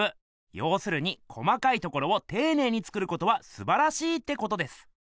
ようするに細かいところをていねいに作ることはすばらしいってことです。